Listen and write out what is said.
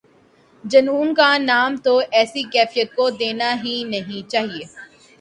جنون کا نام تو ایسی کیفیت کو دینا ہی نہیں چاہیے۔